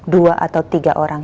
dua atau tiga orang